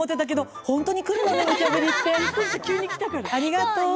ありがとう。